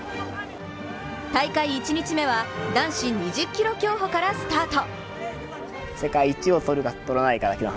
大会１日目は男子２０ｋｍ競歩からスタート。